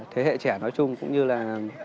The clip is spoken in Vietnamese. thế hệ trẻ nói chung cũng như là